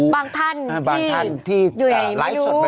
บางท่านที่อยู่ไหนไม่รู้